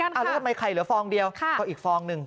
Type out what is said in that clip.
แล้วทำไมไข่เหลือฟองเดียวก็อีกฟองหนึ่ง